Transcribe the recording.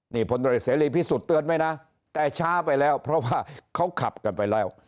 นี่พลตรวจเสรีพิสุทธิ์เตือนไว้นะแต่ช้าไปแล้วเพราะว่าเขาขับกันไปแล้ว